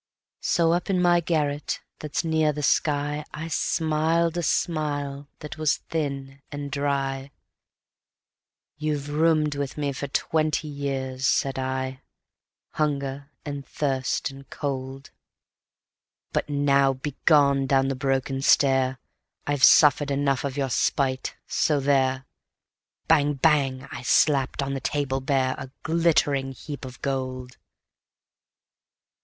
So up in my garret that's near the sky I smiled a smile that was thin and dry: "You've roomed with me twenty year," said I, "Hunger and Thirst and Cold; But now, begone down the broken stair! I've suffered enough of your spite ... so there!" Bang! Bang! I slapped on the table bare A glittering heap of gold.